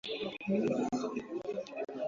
upungufu wa damu